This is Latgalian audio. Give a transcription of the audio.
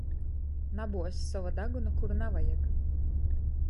Nabuoz sova daguna, kur navajag!